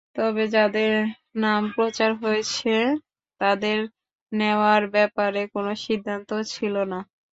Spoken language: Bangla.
তবে যাঁদের নাম প্রচার হয়েছে, তাঁদের নেওয়ার ব্যাপারে কোনো সিদ্ধান্ত ছিল না।